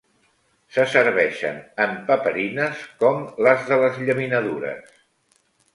Se serveixen en paperines com les de les llaminadures.